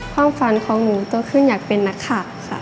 ความฝันของหนูตัวขึ้นอยากเป็นน่ะค่ะ